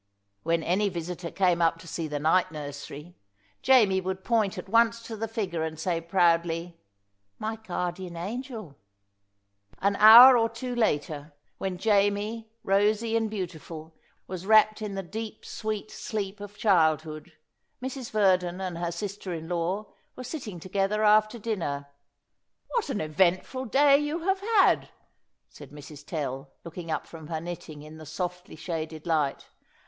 When any visitor came up to see the night nursery, Jamie would point at once to the figure and say proudly, "My guardian angel." An hour or two later, when Jamie, rosy and beautiful, was wrapped in the deep sweet sleep of childhood, Mrs. Verdon and her sister in law were sitting together after dinner. "What an eventful day you have had!" said Mrs. Tell, looking up from her knitting in the softly shaded light.